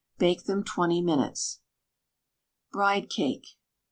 Bake them twenty minutes. BRIDE CAKE.